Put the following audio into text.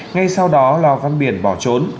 ngay sau đó lò văn biển bỏ trốn